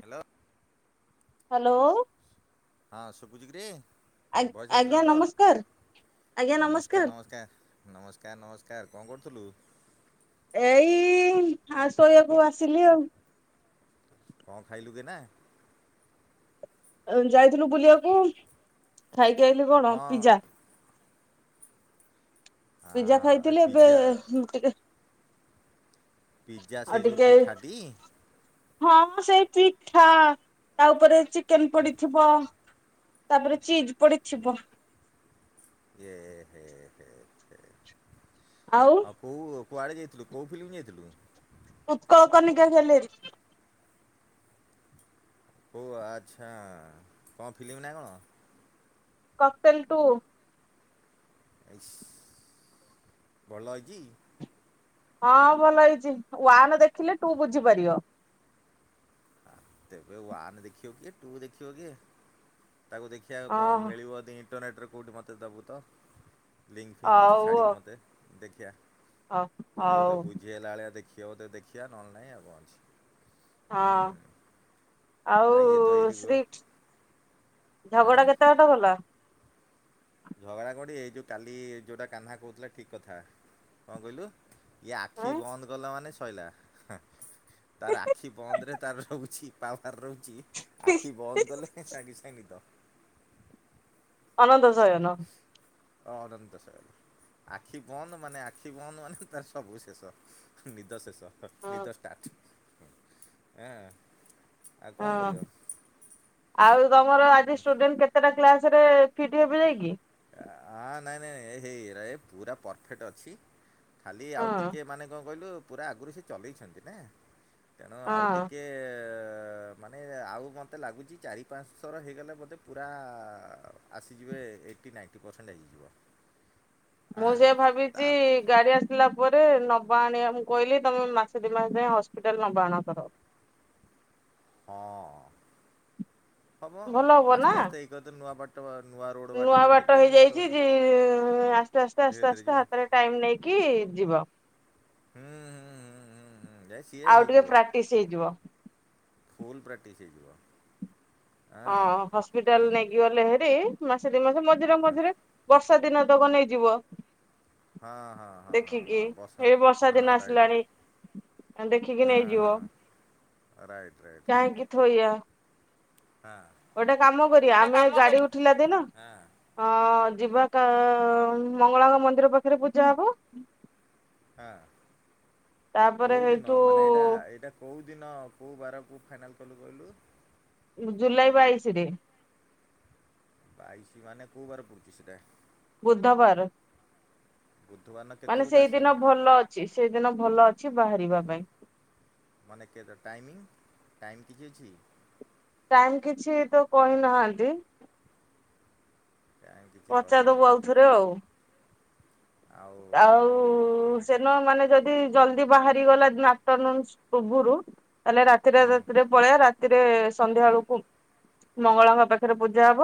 Hello ହଁ ଶୁବୁଚୁ କିରେ? ଆ ବଏସ ଆସିଲା ଆଜ୍ଞା ମୋର ନମସ୍କାର ନମସ୍କାର ନମସ୍କାର। ନମସ୍କାର ନମସ୍କାର କଣ କରୁଥୁଲୁ? ଏଇ ଆ ଶୋଇବାକୁ ଆସିଲି ଆଉ। କଅଁ ଖାଇଲୁ ଗେ ନା। ଏମ ଯାଇଥିଲୁ ବୁଲି ଆକୁ ଖାଇକି ଆଇିଲୁ କଣ ହଁ ପିଜା। ପିଜା ହଁ ଏ ଖାଇଥିଲି ଏବେ ପିଜା ଟିକେ ପିଜା ସେ ଆଉ ଯେଉଁ ଟିକେ ପିଠାଟି ହଁ ମ ସେଇ ପିଠା ତା ଉପରେ ଚି ଚିକେନ ପଡିଥିବ ତାପରେ ଚିଜ ପଡିଥିବ ଏ ହେ ହେଇ ହେ। ଆଉ। ଆଉ କୋଉ କୁଆଡ଼େ ଯାଇଥିଲୁ କୋଉଫିଲ୍ମ ଯାଇଥିଲୁ? ଉତ୍କଳ କନିକା ଗ୍ୟାଲେରୀ। ହଉ ଆଚ୍ଛା କଅଁ ଫିଲ୍ମ ନା କଣ? କିକ୍ଟେନ୍‌ ଟୁ। ଇସ୍ ବଲ ଏଇଚି? ହଁ ଭଲ ହେଇଛି ୱାାନ ଦେଖିଲେ ଟୁ ବୁଝିପାରିବ। ତେବେ ୱନ୍ ଦେଖିବ କିଏ ଟୁ ଦେଖିବ କିଏ ତାକୁ ଦେଖ୍ ହଁ [unintelligible] ଇଣ୍ଟରନେଟ୍ରେ କେଉଁଠି ମୋତେ ଦେବୁ ତ। ଲିଙ୍କ୍ ଫିକ୍ କିଛି ହଉ ଛାଡ଼ିବୁ ମୋତେ ଦେଖିିଆ ହଉ ହଉ ଯଦି ବୁ ଇଏ ହେଲାାଳିଆ ଦେଖିବ ବୋଧେ, ଦେଖିଆ ନହେଲେ ନାହିଁ ଆଉ କଣ ଅଛି। ହଁ ହୁଁ ଆଉ ଇଏ ତ ଏଇଠି ଗୋ ଷ୍ଟ୍ରିଟ ଆଁ ଝଗଡ଼ା କେତେ କେ ଭଲା। ଝଗଡ଼ା କୋଉଡି ଏଇ ଯୋଉ କାଲି ଯୋଉଟା କାହ୍ନା କହୁଥିଲା ଠିକ୍ କଥା କଣ କହିଲୁ। ଇଏ ଆଁ ଆଖି ବନ୍ଦ କଲା ମାନେ ଶଇଲା ତାର ଆଖି ବନ୍ଦରେ ତାର ରହୁଛି ପାୱାର ରହୁଛି ଆଖି ବନ୍ଦ କଲେ ସଙ୍ଗେ ସଙ୍ଗେ ନିଦ। ଆନନ୍ତ ଶୟନ। ଅନନ୍ତଶୟନ। ଆଖି ବନ୍ଦ ମାନେ ଆଖି ବନ୍ଦ ମାନେ ତ ସବୁ ଶେଷ ନିଦ ଶେଷ। ହ ହଁ ନିଦ ଷ୍ଟାର୍ଟ। ଆଉ କଣ ହଁ। କରିବ? ଆଉ ତମର ଆଜି ଷ୍ଟୁଡେଣ୍ଟ କେତେଟା କ୍ଲାସ ରେ ଫିଟ ହେବେ ଯାଇକି? ଆଁ ନାଇଁ ନାଇଁ ହେଇ ଏ ପୁରା ପରଫେକ୍ଟ୍ ଅଛି। ଖାଲି ହଁ ଆଉ ଟିକେ ମାନେ କଣ କହିଲୁ ପୁରା ଆଗରୁ ସେ ଚଲେଇଛନ୍ତି ନା ତେଣୁ ଆଉ ହଁ ଟିକେ ଏଁ ଏଁ ଏଁ ମାନେ ଆଉ ମୋତେ ଲାଗୁଛି ଚାରି ପାଞ୍ଚ ଥର ହେଇଗଲେ ମୋତେ ପୁରା ଆସିଯିବେ ଏଟି ନାଇଣ୍ଟି ପରସେଣ୍ଟ ହେଇଯିବ। ମୁଁ ଆଁ ସେଇଆ ତା ଭାବିଛି ଗାଡି ଆସିଲା ପରେ ନବା ଆଣିବା ମୁଁ କହିଲି ତମେ ମାସେ ଦି ମାସ ଯାଏ ହସ୍ପିଟାଲ ନବା ଆଣା କର। ହଁ ହବ ଭଲ ହବ ନା ଆସ୍ତେ ଆସ୍ତେ ଏଇ କ ତ ନୂଆ ବାଟ ନୂଆ ର ନୂଆ ବାଟ ହେଇଯାଇଛି ଯେ ଆସ୍ତେ ଆସ୍ତେ ଧୀରେ ଆସ୍ତେ ଧୀରେ ଆସ୍ତେ ଯିବେ। ହାତରେ ଟାଇମ ନେଇକି ଯିବ। ହୁଁ ହୁଁ ହୁଁ ହୁଁ ହୁଁ ଯାଇ ସିଏ ଆଉ ଟିକେ ପ୍ରାକ୍ଟିସ ହେଇଯିବ। ଫୁଲ ପ୍ରାଟିସ୍ ହେଇଯିବ। ଆଁ ହଁ ହଁ ହସ୍ପିଟାଲ ନେଇକି ଗଲେ ହାରିମାସେ ଦି ମାସେ ମଝିରେ ହଁ ମଝିରେ ବର୍ଷା ଦିନ ତକ ନେଇଯିବ। ହଁ ହଁ ହଁ ହଁ ଦେଖିକି ହଁ ବଷ ଏଇ ବର୍ଷା ହଁ ଦିନ ରାଇଟ୍। ଆସିଲାଣି ଦେଖିକି ହଁ ନେଇଯିବ ହଁ ରାଇଟ୍ ରାଇଟ୍ ରାଇଟ୍। କାହିଁକି ଥୋଇଆ ହାଁ। ଗୋଟେ କାମ କରିବା ଆମେ ଗାଡି ଉଠିଲା ଦିନ ହଁ ହଁ ଯିବ ତ ମଙ୍ଗଳାଙ୍କ ମନ୍ଦିର ପାଖରେ ପୂଜା ହବ ହାଁ, ତାପରେ କୋଉଦିନ ସେଇଠୁ ମାନେ ଏଇଟା ଏଇଟା କୋଉ ଦିନ କୋଉ ବାରକୁ ଫାଇନାଲ୍ କଲୁ କଇଲୁ? ଜୁଲାଇ ବାଇଶିରେ। ବାଇଶ ମାନେ କୋଉ ବାର ପଡ଼ୁଛି ସେଇଟା? ବୁଧବାର। ବୁଧବାର ନା ମାନେ କେତେବେଳକୁ ଆସିବ ସେଇସଦିନ ଭଲ ଅଛି ସେଇ ଦିନ ଭଲ ଅଛି ବାହାରିବା ପାଇଁ। ମାନେ କେତେ ଟାଇମିଂ, ଟାଇମ୍ ଠିକ୍ ଅଛି? ଟାଇମ୍ କିଛି ତ କହିନାହାନ୍ତି। ଟାଇମ୍ କିଛି ପଚାର ଦେବୁ କହିନାହାନ୍ତି ଆଉଥରେ ଆଉ ଆଉ ଆଉ-ଉ-ଉ-ଉ-ଉ ସେଦିନ ମାନେ ଯଦି ଜଲଦି ବାହାରି ଗଲା ଆପ୍ଟରନୁନସ୍ ପୂର୍ବୁରୁ ତାହଲେ ରା ହୁଁ ରାତିରେ-ରାତିରେ ପଳେଆ ରାତିରେ ସନ୍ଧ୍ୟା ବେଳକୁ ମଙ୍ଗଳାଙ୍କ ପାଖରେ ପୂଜା ହେବ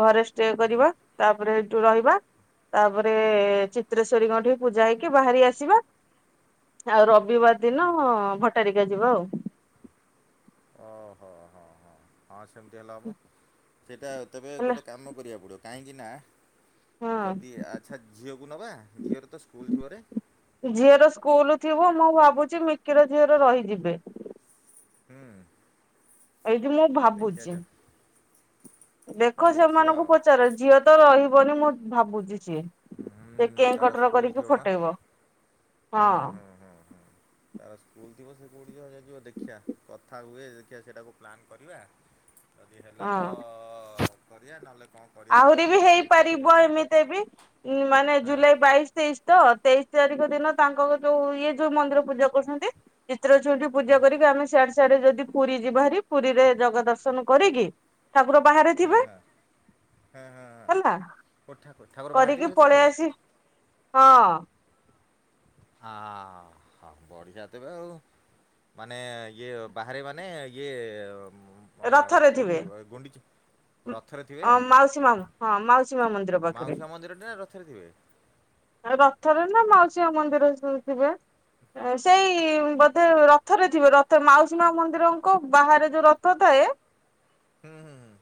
ଘରେ ଷ୍ଟେ ହୁଁ କରିବା ତାପରେ ହେଠୁ ରହିବା ତାପରେ ହୁଁ ଚି ଶ୍ବରୀଙ୍କଠି ପୂଜା ହେଇକି ବାହାରି ଆସିବା ଆଉ ରବିବାର ହୁଁ ଦିନ ଭଟ୍ ଭଟ୍ଟାରିକା ଯିବ ଆଉ ଓହୋଃ ହଁ-ହଁ, ହଁ ସେମିତି ହେଲେ ହବ, ସେଇଟା ତେବେ ହେଲା ଗୋଟେ କାମ କରିବାକୁ ପଡ଼ିବ। କାଇଁକି ନା, ହଁ ଯଦି ଆଚ୍ଛା ଝିଅକୁ ନବା ଝିଅର ତ ସ୍କୁଲ୍ ଥିବରେ? ଝିଅର ସ୍କୁଲ ଥିବ ମୁଁ ଭାବୁଛି ମିକିର ଝିଅର ରହିଯିବେ। ହୁଁ। ଏଇଠି ମୁଁ ଭାବୁଚି। ଦେଖିବା ଦେଖ ଦେଖିବା ସେମାନଙ୍କୁ ଆଉ। ପଚାର ଝିଅ ତ ରହିବନି ମୁଁ ଭାବୁଚି ଯେ ସେ ହୁଁ କେଁ ତାର କଟର ସ୍କୁଲ ଥିବ କରିକି ବା ଫଟେଇବ। ହୁଁ ହୁଁ ହୁଁ ହୁଁ। ତାର ସ୍କୁଲ ଥିବ ସେ କୋଉଠି [inaudible] ଯିବା ଦେଖିିବା। କଥା ହୁଏ ଦେଖିବା ସେଇଟାକୁ ପ୍ଲାନ୍ କରିବା। ଯଦି ହେଲା ହଁ ତ-ଅ-ଅ-ଅ କରିବା ନହେଲେ କଅଁ ଆହୁରି ବି ହେଇପାରିବ ଏମିତି ବି ମାନେ ହଁ ଜୁଲାଇ ବାଇଶ୍ ତେଇଶ ତ, ତେଇଶ ତାରିଖ ଦିନ ତାଙ୍କର ଯୋଉ ଇଏ ଯୋଉ ମନ୍ଦିର ପୂଜା କରୁଛନ୍ତି ଚିତ୍ର [unintelligible] ପୂଜା ହଁ କରିକି ଆମେ ସିଆଡେ ସିଆଡେ ଯଦି ପୁରୀ ଯିବା ହେରି ପୁରୀରେ ଜଗା ଦର୍ଶନ କରିକି ଠାକୁର ବାହାରେ ଥିବେ ହାଁ-ହାଁ, ହେଲା ହାଁ-ହାଁ-ହାଁ ଓ ଠାକୁ ଠାକୁର ବାହାରେ କରିକି ଥିବେ ପଳେଇ ସେତେବେଳେ? ଆସି ହଁ। ହାଁ-ଆ-ଆ-ଆ ହାଁ ବଢିଆ ତେବେ ଆଉ। ମାନେ ଇଏ ବାହାରେ ମାନେ ଇଏ ଅ-ଅ-ଅ ରଥରେ କୋଉଠି ଥିବେ। ଏଇ ଗୁଣ୍ଡିଡ଼ି। ରଥରେ ଥିବେ? ଅ ମାଉସୀ ମା ହଁ ମାଉସୀ ମା ମନ୍ଦିର ପାଖରେ। ମାଉସୀ ମାଆ ମନ୍ଦିରଟି ନା ରଥରେ ଥିବେ? ରଥରେ ନା ମାଉସୀ ମାଆ ମନ୍ଦିରେ ଶୋଇଥିବେ। ସେଇ-ଇ-ଇ ବୋଧେ ରଥରେ ଥିବେ ରଥ ମାଉସୀ ମାଆ ମନ୍ଦିରଙ୍କ ବାହାରେ ଯୋଉ ରଥ ଥାଏ ହୁଁ-ହୁଁ-ହୁଁ।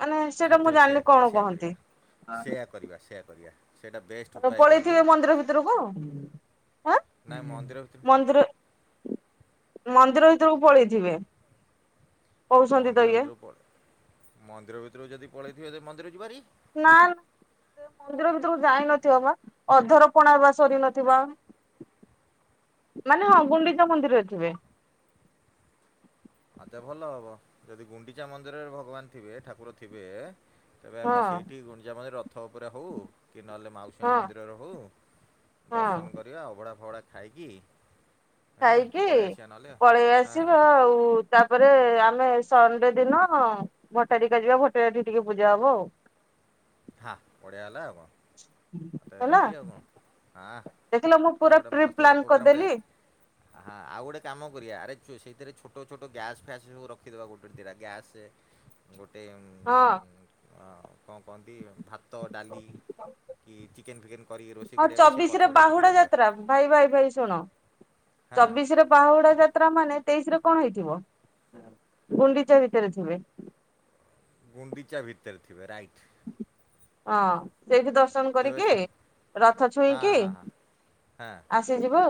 ମାନେ ତା ସେଇଟା ମୁଁ ତେବେ ଜାଣିନି ସେଇୟା କରିବା କଣ ସେଇୟା କହନ୍ତି। କରିବା ସେଇୟା କରିବା ସେଇୟା କରିବା। ସେଇଟା ବେଷ୍ଟ [inaudible] ଉପାୟ କହିଲୁ ପଳେଇଥିବେ ମନ୍ଦିର ଭିତରକୁ ଆଁ? ନାଇଁ ମନ୍ଦିର ଭିତରୁ ମନ୍ଦିର ମନ୍ଦିର ଭିତରକୁ ପଳେଇଥିବେ। କହୁଛନ୍ତି ତ ମନ୍ଦିର ଇଏ ଭିତରୁକୁ ପଳ ମନ୍ଦିର ଭିତରୁକୁ ଯଦି ପଳେଇଥିବେ ଯେ ମନ୍ଦିର ଯିବୁହାରି ନାନ୍ ମନ୍ଦିର ଭିତରକୁ ଯାଇନଥିବ ବା ଅଧର ପଣା ବା ସରି ନଥିବ। ମାନେ ହଁ ଗୁଣ୍ଡିଚା ମନ୍ଦିରରେ ଥିବେ। ଆଉ ତେ ଭଲ ହବ ଯଦି ଗୁଣ୍ଡିଚା ମନ୍ଦିରରେ ଭଗବାନ ଥିବେ ଠାକୁର ଥିବେ। ତେବେ ହଁ। ଆମେ ସେଇଠି ଗୁଣ୍ଡିଚା ମନ୍ଦିର ରଥ ଉପରେ ହଉ କି ନହେଲେ ମାଉସୀ ମା ହଁ ମନ୍ଦିରରେ ହଉ। ହଁ ଦର୍ଶନ କରିବା ଅଭଡ଼ା ଫଭଡ଼ା ଖାଇକି। ହେଁ ଖାଇକି ପଳେଇ ଆସିବା ନହେଲେ ପଳେଇ ହଁ ଆସିବା ଆଉ। ତାପରେ ଆମେ ସଣ୍ଡେ ଦିନ ଭଟ୍ଟାରିକା ଯିବା ଭଟ୍ଟାରୀ ଟିକେ ପୂଜା ହବ ଆଉ। ହଁ ବଢିଆ ହେଲା ଆଉ କଣ ତ ହେଲା। ରେଡ଼ି ଆଉ କଣ। ହଁ ଦେଖିଲ ମୁଁ ଆଉ ପୁରା ଗୋଟେ ପ୍ରି ମସ୍ତ ଗୋଟେ ପ୍ଲାନ୍ ପୁଗ୍ରାମ ଟେ। କରିଦେଲି ହଁ ଆଉ ଗୋଟେ କାମ କରିବା ଆରେ ଚୁ ସେଇଥିରେ ଛୋଟ ଛୋଟ ଗ୍ୟାସ୍ ଫ୍ୟାସ୍ ସବୁ ରଖିଦବା ଗୋଟେ ଦିଟା ଗ୍ୟାସେ। ଗୋଟେ ଉଁ - ହଁ। କଅଁ କଅନ୍ତି ଭାତ ଡାଲି। କି ଚିକେନ୍ ଫିକେନ୍ କରିକି ରୋଷେଇ ହଁ କରିବା ପାଇଁ ସେ ଚବିଶିରେ ପଛପଟେ ଡିକି ବାହୁଡା ରଖିଦେବା ଯାତ୍ରା ଭାଇ ଭାଇ ଭାଇ ଶୁଣ। ହଁ ଚବିଶିରେ ବାହୁଡା ଯାତ୍ରା ମାନେ ତେଇଶି ରେ କଣ ହେଇଥିବ ଗୁଣ୍ଡିଚା ଭିତେରେ ଥିବେ। ଗୁଣ୍ଡିଚା ଭିତେରେ ଥିବେ ରାଇଟ୍। ହଁ ସେଇଠି ଦର୍ଶନ ତେବେ କରିକି ସେ ରଥ ହଁ ଛୁଇଁକି ହଁ ଆ ସେ ଯିବ।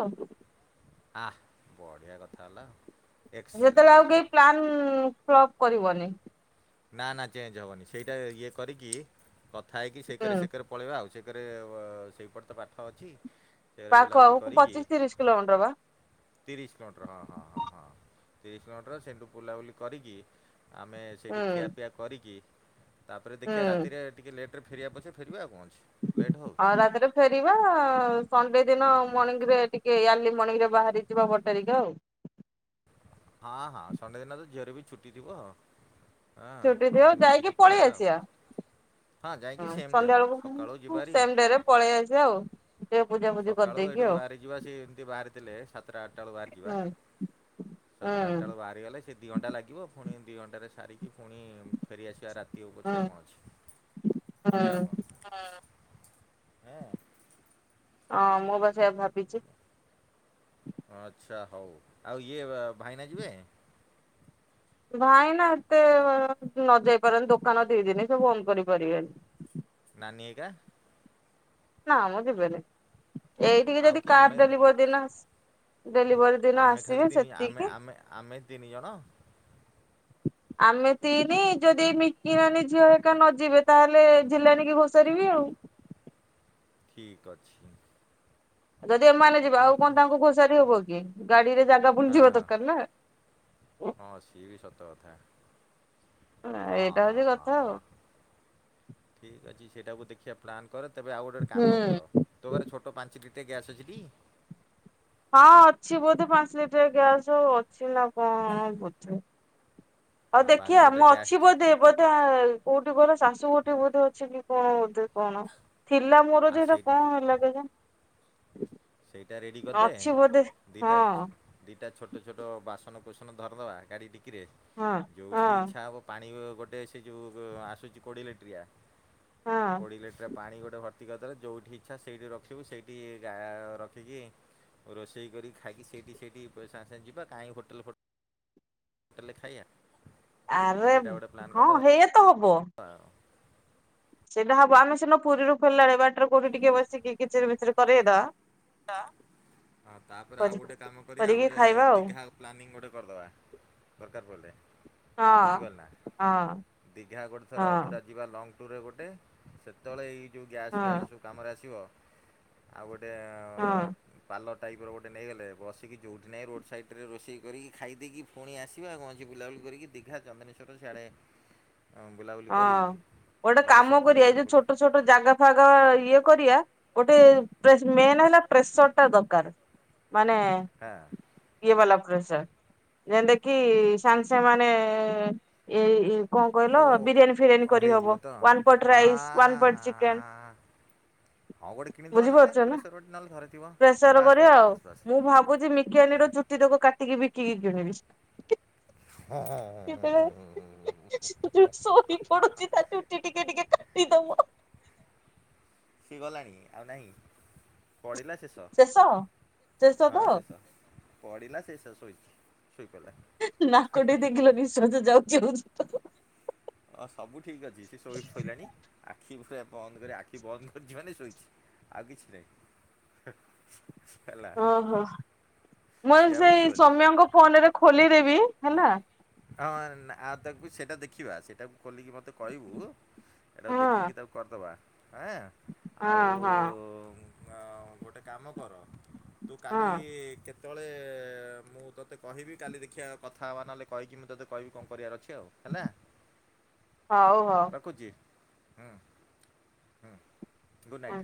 ଆଃ ବଢିଆ କଥା ହେଲା ଆଉ। ଯେତେବେଳେ ଆଉ କେହି ପ୍ଲାନ୍ ଫ୍ଲପ କରିବନି। ନା ନା ଚେଞ୍ଜ ହବନି ସେଇଟା ଇଏ କରିକି କଥା ହେଇକି ହୁଁ ସେକରେ ସେକରେ ପଳେଇବା ଆଉ ସେକରେ ସେଇପଟେ ତ ପାଠ ଅଛି। ସେଇକରେ ପାଖ ଆଉ ବୁଲାବୁଲି କୁ କରିକି ପଚିଶ ତିରିଶ କିଲୋମିଟର ପା। ତିରିଶ କିଲମିଟର ହଁ ହଁ ହଁ ହଁ ତିରିଶ କିଲମିଟର ସେଠୁ ବୁଲାବୁଲି କରିକି ଆମେ। ସେଠି ହୁଁ ଖିଆପିଆ କରିକି ତାପରେ ଦେଖିବା ହୁଁ ରାତିରେ ଟିକିଏ ଲେଟ୍ ରେ ଫେରିବା ପଛେ ଫେରିବା ଆଉ କଣ ଅଛି। ଲେଟ୍ ହଉ। ହଁ ରାତିରେ ଫେରିବା ସଣ୍ଡେ ଦିନ ମର୍ଣିଂ ରେ ଟିକେ ଆର୍ଲି ମର୍ଣିଂ ରେ ବାହାରି ଯିବା ବଟ୍ଟାରିକା ଆଉ। ହଁ ହଁ ସଣ୍ଡେ ଦିନତ ଝିଅରେ ବି ଛୁଟି ଥିବ। ହଁ ଛୁଟି ଦିଅ ସମତେ ଯାଇକି ମିଶିକି ପଳେଇ ପଳେଇବା ଆଉ। ଆସିବା ହଁ ଯାଇକି ସେମ୍ ଡେ ସନ୍ଧ୍ୟା ପା ସକାଳୁ ବେଳକୁ ଯିବା ହାରି। ସେମ ଡେ ରେ ପଳେଇ ଆସିବା ଆଉ। ଟିକେ ପୂଜା ପୂଜି ସକାଳୁ କରିଦେଇକି ଏଇଠୁ ଆଉ ବାହାରିଯିବା ସିଏ ଏମିତି ବାହାରିଥିଲେ ସାତଟା ଆଠଟା ବେଳକୁ ହୁଁ ବାହାରିଯିବା। ସାତଟା ଆଠଟା ହୁଁ [unintelligible] ବାହାରିଗଲେ ସିଏ ଦି ଘଣ୍ଟା ଲାଗିବ ଫୁଣି ଦି ଘଣ୍ଟାରେ ସାରିକି ଫୁଣି ଫେରି ଆସିବା ରାତି ହଉ ହୁଁ ପଛେ କଣ ଅଛି ବଢ଼ିଆ ହୁଁ। ହବ। ହଁ। ହଁ ମୁଁ ପା ସେଇଆ ଭାବିଛି। ଆଚ୍ଛା ହଉ ଆଉ ଇଏ ଭାଇନା ଯିବେ? ଭାଇନା ଏତେ ନ ଯାଇ ପାରନ୍ତି ଦୋକାନ ଦି ଦିନି ସେ ବନ୍ଦ କରିପାରିବେନି। ନାନୀ ହେକା। ନା ମ ଯିବେନି ଏଇଠିକି ଆଉ ଯଦି କିଏ ଆମେ କାର ଡେଲିବଏ ଦିନ ସ ଆମେ ଖାଲି ତିନି ଆମେ ଆମେ ଆମେ ତିନି ଜଣ। ଆମେ ତିନି ଯଦି ମିକି ନାନୀ ଝିଅ ହେକା ନ ଯିବେ ତାହେଲେ ଝିଲାଣି କି ଘୋଷାରିବି ଆଉ। ଠିକ୍ ଅଛି। ଯଦି ଏମାନେ ଯିବେ। ହଁ ଆଉ କଣ ଠିକ୍ ତାଙ୍କୁ ଘୋଷାରି ହବ କି ଗାଡିରେ ଜାଗା ପୁଣି ହଁ ଥିବା ଦରକାର ନା? ହଁ ସିଏବି ସତ କଥା। ହଁ ଏଇଟା ହଁ ହଉଛି ହଁ କଥା ଆଉ। ହଁ। ଠିକ୍ ଅଛି ସେଇଟାକୁୁ ଦେଖିବା ପ୍ଲାନ୍ କର ତେବେ ଆଉ ଗୋଟେ ଗୋଟେ କାମ ହୁଁ। କର। ତୋ ଘର ଛୋଟ ପାଞ୍ଚ ଲିଟ୍ରିଆ ଗ୍ୟାସ୍ ଅଛି ଟି? ହଁ ଅଛି ବୋଧେ ପାଞ୍ଚ ଲିଟର ଗ୍ୟାସ୍ ଯଉ ଅଛି ନା କଣ ବୋଧେ। ଆଉ ହଁ ପାଞ୍ଚ ଦେଖିଆ ଲିଟର ମୁଁ ଗ୍ୟାସ୍ ଅଛି ବୋଧେ ବୋଧେ ହା କୋଉଠି କହିଲ ଶାଶୁ ଗଠି ବୋଧେ ଅଛି କି କଣ ବୋଧେ। କଣ ଥିଲା ମୋର ଆଉ ଯେଇଟା ସେଇ କଣ ହେଲା କେଜାଣି। ସେଇଟା ରେଡ଼ି କରିଦେ ଅଛି ବୋଧେ ଦିଇଟା ହଁ ଦିଟା ଛୋଟ ଛୋଟ ବାସନ କୁସନ ଧରିଦବା ଗାଡି ଡିକିରେ ହଁ। ଯୋଉଠି ହଁ ଇଚ୍ଛା ହେବ ପାଣି ଗୋ ଗୋଟେ ସେ ଯୋଉ ଗୋ ଆସୁଛି କୋଡ଼ିଏ ଲିଟରିଆ ହଁ କୋଡିଏ ଲିଟର ପାଣି ଗୋଟେ ଭର୍ତ୍ତି କରିଦଲେ ଯୋଉଠି ଇଚ୍ଛା ସେଇଠି ରଖିବୁ ସେଇଠି ଗା ଅ ରଖିକି ରୋଷେଇ କରିକି ଖାଇକି ସେଇଠି ସେଇଠି ଅ ସାଙ୍ଗେ ସାଙ୍ଗେ ଯିବା କାହିଁ ହୋଟେଲ ଫୋ ଟେଲେ ରେ ଖାଇଆ। ଆରେ ବ ହଁ ହେଇଆ ତ ହବ। ହଁ। ସେଇଟା ହବ ଆମେ ସିନା ପୁରୀରୁ ଫେରିଲାବେଳେ ବାଟରେ କୋଉଠି ଟିକେ ବସିକି କିଚିରି ମିଚିରି କରେଇଦବା। ପା ହଁ ତାପରେ ଆଉ ଗୋଟେ କାମ କରିବା ଆଉ କରିକି ଗୋଟେ ଖାଇବା ଆଉ ଦିଘା ପ୍ଲାନିଂ ଗୋଟେ କରିଦବା ଦରକାର ପଡ଼ିଲେ। ହଁ ବୁଝିପାରିଲୁ ନା ହଁ ଦିଘା ଗୋଟେ ଥର ପୁରା ହଁ ଯିବା ଲଙ୍ଗ୍ ଟୁୁରରେ ଗୋଟେ ସେତେବେଳେ ଏଇ ଯୋଉ ଗ୍ୟାସ୍ ଫ୍ୟାସ୍ ହଁ ସବୁ କାମରେ ଆସିବ ଆଉ ଗୋଟେ ହଁ। ପାଲ ଟାଇପ୍ ର ଗୋଟେ ନେଇଗଲେ ବସିକି ଯୋଉଠି ନାହିଁ ରୋଡ଼୍ ସାଇଡ଼୍ ରେ ରୋଷେଇ କରିକି ଖାଇ ଦେଇକି ପୁଣି ଆସିବା ଆଉ କଣ ଅଛି ବୁଲାବୁଲି କରିକି ଦୀଘା ଚନ୍ଦନେଶ୍ୱର ସିଆଡ଼େ ବୁଲାବୁଲି ହଁ କରି ଗୋଟେ ବାଲେଶ୍ୱର କାମ କରିଆ ଏଇ ଫାଲେଶ୍ୱର ଯୋଉ ବୁଲେ ଛୋଟ ଛୋ ଟେ ଜାଗା ଫାଗା ଇଏ କରିଆ ଗୋଟେ ପ୍ରେ ମେନ୍ ହେଲା ପ୍ରେସର ଟା ଦରକାର। ମାନେ ହଁ। ଇଏ ବାଲା ପ୍ରସର। ଯେମତା କିି ସାଙ୍ଗେସାଙ୍ଗେ ମାନେ ଏଇ କଣ କହିଲ ବିରିୟାନୀ ଫିରିୟାନୀ ମୁଁ କରିହବ ହେଇଯିବ ତ ୱାନ୍ ପଟ ରାଇସ୍ ୱାନ ପଟ ଚିକେନ। ଆଁ ହଁ ଗୋଟେ କିଣିଦବା ନହେଲେ ବୁଝିପାରୁଛ ନା ପ୍ରେସର ଗୋଟେ ନହେଲେ ଘରେ ଥିବ ପ୍ରେସର ବାସ୍ କରିବା ବାସ୍ ଆଉ ବାସ୍ ବାସ୍ ମୁଁ ଭାବୁଛି ମିକିଆଣ୍ଟିର ଆରେ ଚୁ ଟି ତକୁ କାଟିକି ବିକିକି କିଣିବି ହି। ହଁ [unintelligible] ଜି ତା ଚୁଟି ଟିକେ ଟିକେ କାଟିଦବୁ ହଁ। ଖି ଗଲାଣି ଆଉ ନାହିଁ ପଡ଼ିଲା ଶେଷ ଶେଷ ହଁ ତ ଶେଷ। ପଡିଲା ସେଷ ଶୋଇଛି ଶୋଇପଡିଲା। ନାକଟି ଦେଖିଲ ନିଶ୍ଵାସ ଯାଉଛି ଆଉଛି। ହଁ ସବୁ ଠିକ ଅଛି ସେ ଶୋଇ ପଇଲାଣି ଆଖି ପୁରା ବନ୍ଦ କରି ଆଖି ବନ୍ଦ କରିଛି ମାନେ ଶୋଇଛି। ଆଉ କିଛି ନାହିଁ ହେ ହେଲା। ଓହୋ ମୁଁ ସିଏ ଆଉ ସେଇ ଉଠିବନି ସୌମ୍ୟଙ୍କ ଫୋନ ରେ ଖୋଲିଦେବି ହେଲା? ହଁ ନାଁ ଆଉ ତାକୁ ସେଇଟା ଦେଖିବା ସେଟାକୁ ଖୋଲିକି ମୋତେ କହିବୁ, ଏଇଟାକୁ ହଁ ଦେଖିକି ତାକୁ କରିଦେବା ଆଁ! ହଁ ହଁ ଆଉ-ଉ ଅଁ ଗୋଟେ କାମ କର, ତୁ କାଲି ହଁ କେତ୍ ତଳେ-ଏ ମୁଁ ତୋତେ କହିବି, କାଲି ଦେଖିଆ କଥା ହେବା ନହେଲେ କହିକି, ମୁଁ ତୋତେ କହିବି କଣ କରିବାର ଅଛି ଆଉ? ହେଲା, ହଉ ହଉ। ରଖୁଛି। ହୁଁ, ହୁଁ ଗୁଡ଼୍ ନାଇଟ୍!